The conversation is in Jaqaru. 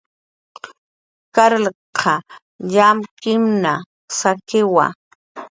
Carlq yamkimna sakiwa